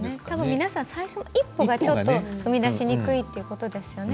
皆さん最初の一歩は踏みだしにくいということですよね。